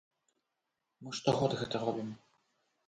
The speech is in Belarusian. Мы штогод гэта робім.